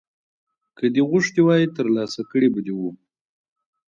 که دې غوښتي وای ترلاسه کړي به دې وو